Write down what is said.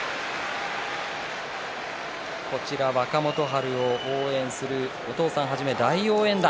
若元春を応援するお父さんはじめ大応援団。